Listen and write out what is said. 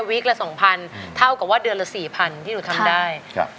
วิกละสองพันเท่ากับว่าเดือนละสี่พันที่หนูทำได้ครับ